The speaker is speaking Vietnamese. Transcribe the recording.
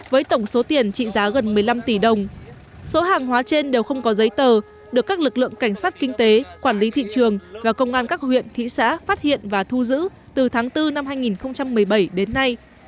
với tổng số tiền trị giá gần một mươi năm tỷ đồng số hàng hóa trên đều không có giấy tờ được các lực lượng cảnh sát kinh tế quản lý thị trường và công an các huyện thị xã phát hiện và thu giữ từ tháng bốn năm hai nghìn một mươi bảy đến nay